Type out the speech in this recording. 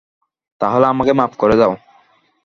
তাহলে, আমাকে মাফ করে দাও।